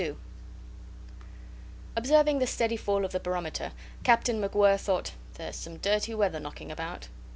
II Observing the steady fall of the barometer, Captain MacWhirr thought, "There's some dirty weather knocking about."